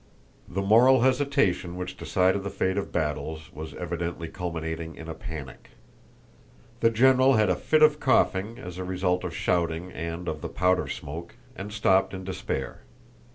The moral hesitation which decided the fate of battles was evidently culminating in a panic. The general had a fit of coughing as a result of shouting and of the powder smoke and stopped in despair.